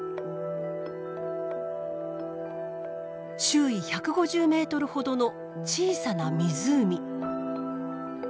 周囲１５０ｍほどの小さな湖。